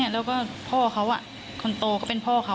แล้วก็พ่อเขาคนโตก็เป็นพ่อเขา